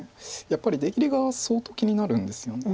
やっぱり出切りが相当気になるんですよね。